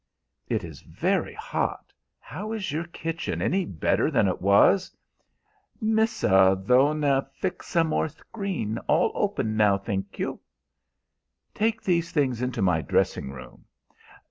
"It is very hot. How is your kitchen any better than it was?" "Missa Tho'ne fixa more screen; all open now, thank you." "Take these things into my dressing room.